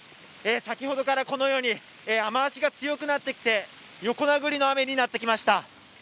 先ほどからこのように雨足が強くなってきて、横殴りの雨になってきました。